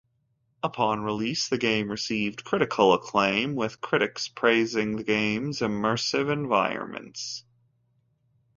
Upon release, the game received critical acclaim, with critics praising the game's immersive environments.